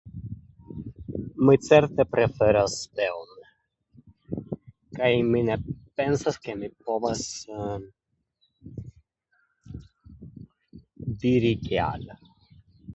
Mi certe preferas teon. Kaj mi ne pensas ke mi povas diri kial.